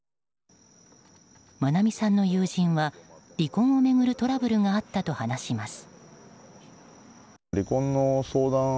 愛美さんの友人は離婚を巡るトラブルがあったと話します。